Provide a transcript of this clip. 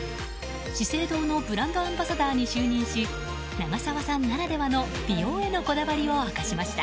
資生堂のブランドアンバサダーに就任し長澤さんならではの美容へのこだわりを明かしました。